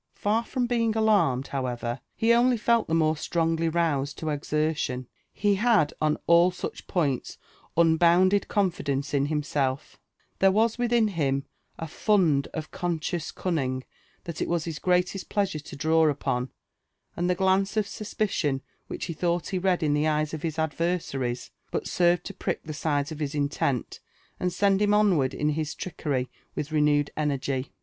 Far from being alarmed, how ever, he only fell the more strongly roused to exertion. He had on all such points unbounded confidence in himself: there was within him a fund of conscious cunning that it was his greatest pleasure to draw upon, and the glance of suspicion which he thought he read in the eyes of his adversaries but served to prick the sides of his intent, and send him onward in his trickery with renewed energy.